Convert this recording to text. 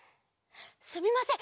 すみません。